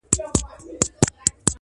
دروازه د هر طبیب یې ټکوله -